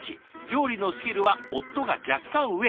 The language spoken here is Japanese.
料理のスキルは夫が若干上。